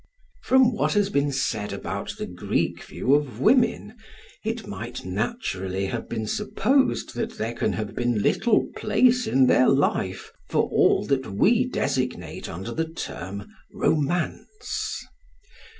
From what has been said about the Greek view of women, it might naturally have been supposed that there can have been little place in their life for all that we designate under the term "romance."